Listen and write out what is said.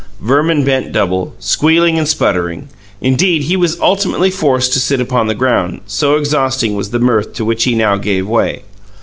Verman bent double, squealing and sputtering; indeed, he was ultimately forced to sit upon the ground, so exhausting was the mirth to which he now gave way.